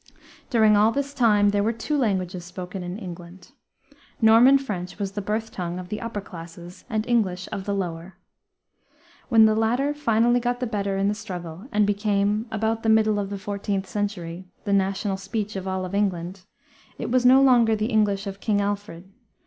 During all this time there were two languages spoken in England. Norman French was the birth tongue of the upper classes and English of the lower. When the latter finally got the better in the struggle, and became, about the middle of the 14th century, the national speech of all England, it was no longer the English of King Alfred.